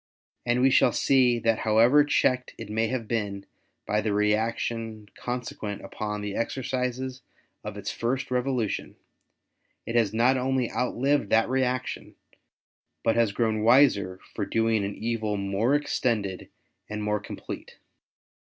And we shall see that however checked it may have been by the reaction consequent upon the excesses of its first Revolution, it has not only outlived that reaction, but has grown wiser for doing an evil more extended THE RISE OF ATHEISM IN EUROrE. 5 and more complete.